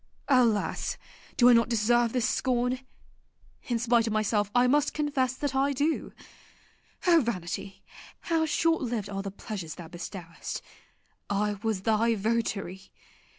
Alas! do I not deserve this scorn? In spite of myself I must confess that I do. O vanity, how short lived are the pleasures thou bestowest! I was thy votary.